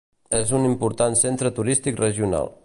És un important centre turístic regional.